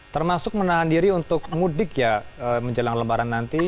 termasuk menahan diri untuk mudik ya menjelang lebaran nanti